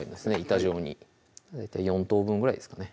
板状に４等分ぐらいですかね